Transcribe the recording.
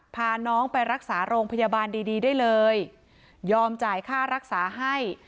พาน้องไปรักษาโรงพยาบาลดีดีได้เลยยอมจ่ายค่ารักษาให้